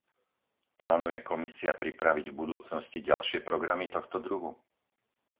Plánuje Komisia pripraviť v budúcnosti ďalšie programy tohto druhu?